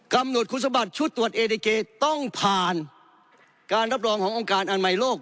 กำหนดคุณสมบัติชุดตรวจเอดิเกต้องผ่านการรับรองขององค์การอนามัยโลก